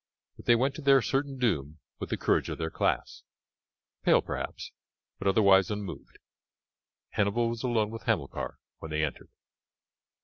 But they went to their certain doom with the courage of their class pale, perhaps, but otherwise unmoved. Hannibal was alone with Hamilcar when they entered.